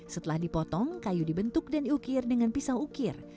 setelah dipotong kayu dibentuk dan diukir dengan pisau ukir